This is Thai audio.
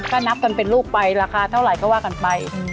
ก็นับกันเป็นลูกไปราคาเท่าไหร่ก็ว่ากันไป